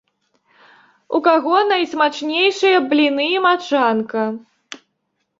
У каго найсмачнейшыя бліны і мачанка?